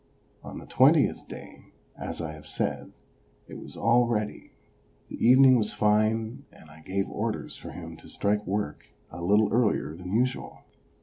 On the twentieth day, as I have said, it was all ready. The evening was fine, and I gave orders for him to strike work a little earlier than usual.